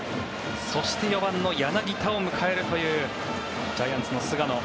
そして４番の柳田を迎えるというジャイアンツの菅野。